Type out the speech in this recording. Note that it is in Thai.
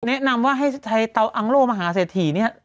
แนะนำว่าให้ไทยเตาอังโล่มหาเศรษฐีเนี่ย